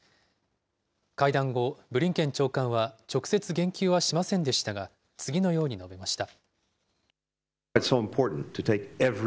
会談後、ブリンケン長官は直接言及はしませんでしたが、次のように述べました。